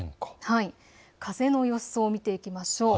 風の予想を見ていきましょう。